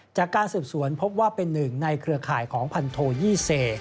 จากการสืบสวนพบว่าเป็นหนึ่งในเครือข่ายของพันโทยี่เซ